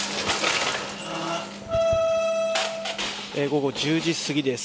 午後１０時すぎです。